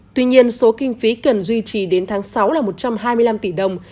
tuy nhiên số kinh phí cần duy trì đến tháng sáu là một trăm hai mươi năm tỷ đồng